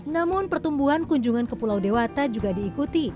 namun pertumbuhan kunjungan ke pulau dewata juga diikuti